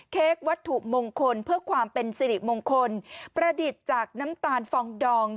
เค้กวัตถุมงคลเพื่อความเป็นสิริมงคลประดิษฐ์จากน้ำตาลฟองดอง